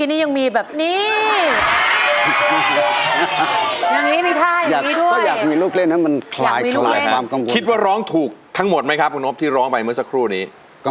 หรือร่างเกียจฉันนั้นมันดำหมอต่อสงสารเผิดน้องอย่าให้ฉันรอไปถึงหน้า